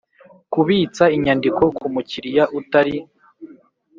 kubitsa inyandiko ku mu kiliya utari